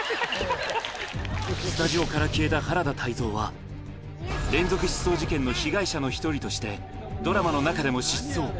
スタジオから消えた原田泰造は、連続失踪事件の被害者の一人として、ドラマの中でも失踪。